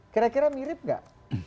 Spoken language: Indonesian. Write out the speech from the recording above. kira kira mirip nggak